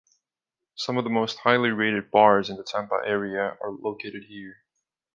Some of the most highly rated bars in the Tampa area are located here.